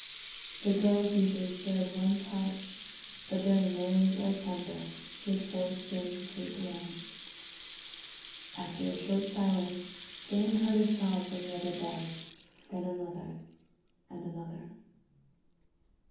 The girls usually shared one couch, but during Mary's ill temper she had forced Jane to sleep alone. After a short silence Jane heard a sob from the other bed, then another, and another.